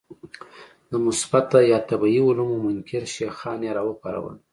د مثبته یا طبیعي علومو منکر شیخان یې راوپارول.